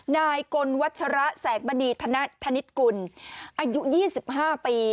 นายกลวัชระแสงมณีธนธนิษฐกุลอายุ๒๕ปี